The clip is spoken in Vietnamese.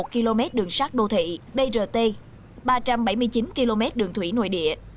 hai trăm một mươi một km đường sát đô thị brt ba trăm bảy mươi chín km đường thủy nội địa